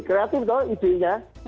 lihat itu idenya